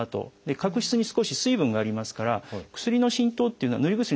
角質に少し水分がありますから薬の浸透というのはぬり薬